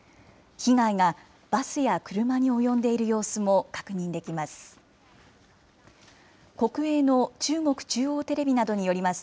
被害がバスや車に及んでいる様子も確認できます。